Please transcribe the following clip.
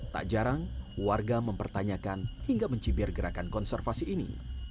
tak jarang warga mempertanyakan hingga mencibir gerakan konservasi ini